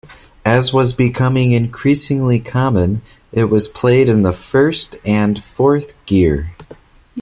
As was becoming increasingly common, it was played in first and fourth gear.